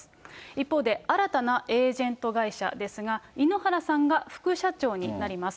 一方で、新たなエージェント会社ですが、井ノ原さんが副社長になります。